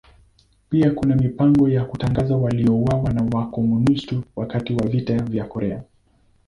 Pia kuna mipango ya kutangaza waliouawa na Wakomunisti wakati wa Vita vya Korea.